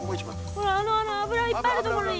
ほらあの油がいっぱいある所に。